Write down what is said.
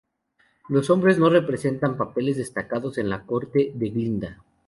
Los hombres no representan papeles destacados en la corte de Glinda.